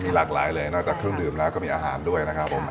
หลากหลายเลยนอกจากเครื่องดื่มแล้วก็มีอาหารด้วยนะครับผม